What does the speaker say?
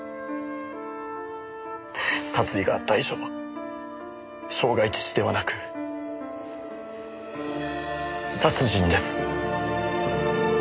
殺意があった以上傷害致死ではなく殺人です。